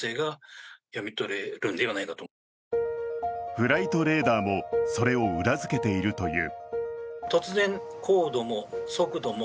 フライトレーダーもそれを裏づけているという。